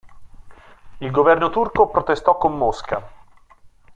Il governo turco protestò con Mosca.